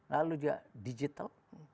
lalu juga digital